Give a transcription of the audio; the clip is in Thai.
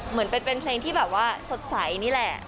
เหมือนเป็นเพลงที่แบบว่าสดใสนี่แหละ